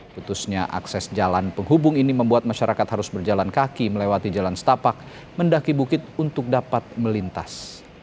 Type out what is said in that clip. putusnya akses jalan penghubung ini membuat masyarakat harus berjalan kaki melewati jalan setapak mendaki bukit untuk dapat melintas